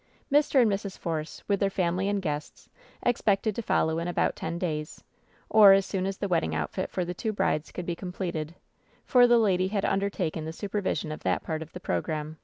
Mr. and Mrs. Force, with their family and guests, expected to follow in about ten days — or as soon as the wedding outfit for the two brides could be completed, for the lady had undertaken the supervision of that part of the program.